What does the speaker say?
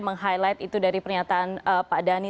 meng highlight itu dari pernyataan pak dhani